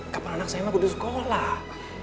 kapan anak saya mau ke sekolah